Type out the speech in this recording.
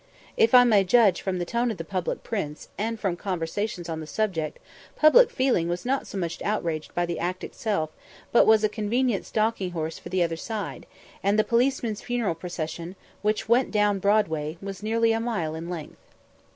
If I might judge from the tone of the public prints, and from conversations on the subject, public feeling was not much outraged by the act itself, but it was a convenient stalking horse for the other side, and the policeman's funeral procession, which went down Broadway, was nearly a mile in length.